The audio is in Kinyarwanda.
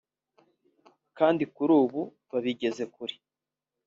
kandi kuri ubu babigeze kure